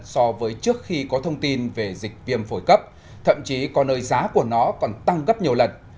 so với trước khi có thông tin về dịch viêm phổi cấp thậm chí có nơi giá của nó còn tăng gấp nhiều lần